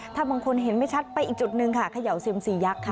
ก็มันเห็นไม่ชัดไปอีกจุดนึงค่ะขยัวเซ็มซียักษ์ค่ะ